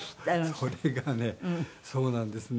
それがねそうなんですね。